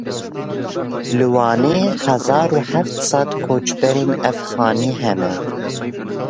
Li Wanê hezar û heft sed koçberên Efxanî hene.